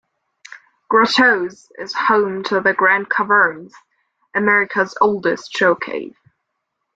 Grottoes is home to the Grand Caverns, America's oldest show cave.